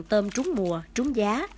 tôm trúng mùa trúng giá